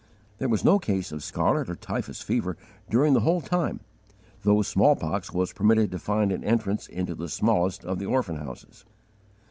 There was no case of scarlet or typhus fever during the whole time, though smallpox was permitted to find an entrance into the smallest of the orphan houses.